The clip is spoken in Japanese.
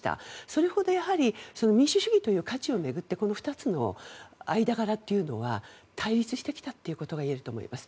それほど民主主義という価値を巡ってこの２つの間柄というのは対立してきたということがいえると思います。